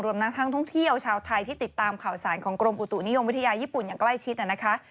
นักท่องเที่ยวชาวไทยที่ติดตามข่าวสารของกรมอุตุนิยมวิทยาญี่ปุ่นอย่างใกล้ชิดนะคะ